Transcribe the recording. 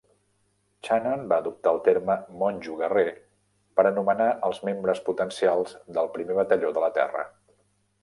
Channon va adoptar el terme "monjo guerrer" per anomenar els membres potencials del Primer Batalló de la Terra.